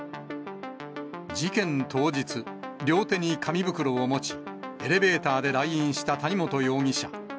事件当日、両手に紙袋を持ち、エレベーターで来院した谷本容疑者。